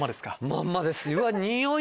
まんまです。